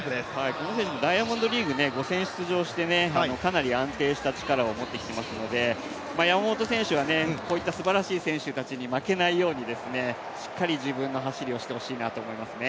この選手もダイヤモンドリーグ、５戦出場してかなり安定した力を持ってきていますので、山本選手はこういったすばらしい選手たちに負けないようにしっかり自分の走りをしてほしいなと思いますね。